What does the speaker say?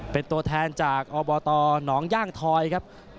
เป็นตัวแทนจากอบตหนองย่างทอยครับ